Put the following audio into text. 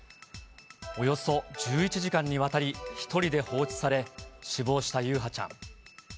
およそ１１時間にわたり、１人で放置され、死亡した優陽ちゃん。